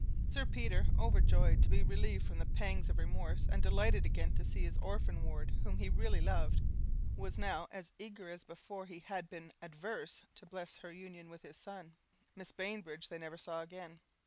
Sir Peter, overjoyed to be relieved from the pangs of remorse, and delighted again to see his orphan ward, whom he really loved, was now as eager as before he had been averse to bless her union with his son: Mrs. Bainbridge they never saw again.